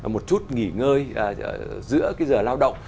một chút nghỉ ngơi giữa cái giờ lao động